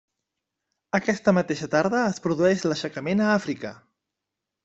Aquesta mateixa tarda es produeix l'aixecament a Àfrica.